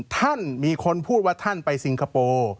ท่านมีคนพูดว่าท่านไปซิงคโปร์